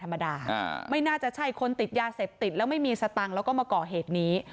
ธรรมดาไม่น่าจะใช่คนติดยาเสพติดแล้วไม่มีสตังค์แล้วก็มาก่อเหตุนี้